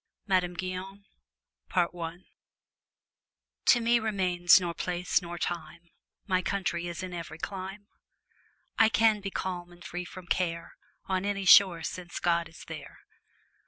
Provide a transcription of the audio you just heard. MADAME GUYON To me remains nor place nor time; My country is in every clime; I can be calm and free from care, On any shore, since God is there.